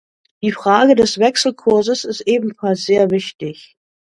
Die Frage des Wechselkurses ist ebenfalls sehr wichtig.